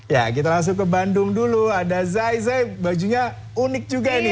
ya kita langsung ke bandung dulu ada zai zai bajunya unik juga ini